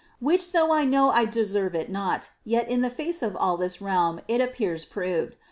Wbich tbough I know 1 deieire it not, yal in the face of all thU realm it appears provixl.